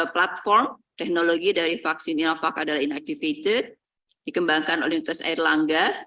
platform teknologi dari vaksin inovac adalah inactivated dikembangkan oleh uts air langga